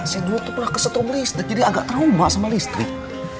saya dulu pernah kesetum listrik jadi agak trauma sama listrik